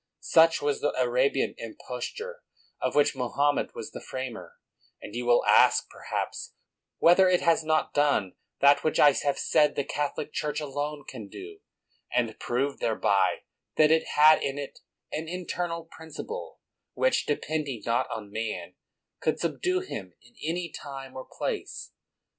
Such was the Arabian im posture of which Mohammed was the f ramer ; and you will ask, perhaps, whether it has not done that which I have said the Catholic Church alone can do, and proved thereby that it had in it an internal principle, which, depending not on man, could subdue him in any time or place?